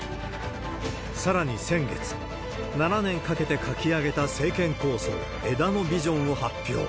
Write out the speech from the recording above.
さらに先月、７年かけて書き上げた政権構想、枝野ビジョンを発表。